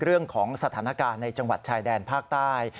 เรื่องของสถานการณ์ในจังหวัดชายแดนภาคใต้